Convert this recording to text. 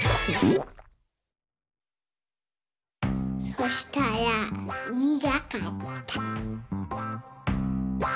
そしたらにがかった。